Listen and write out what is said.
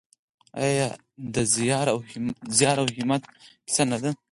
آیا د زیار او همت کیسه نه ده؟